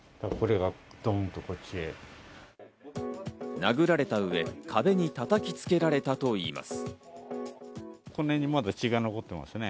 殴られたうえ、壁に叩きつけられたといいます。